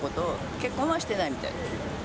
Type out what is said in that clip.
結婚はしてないみたい。